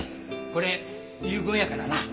これ遺言やからな。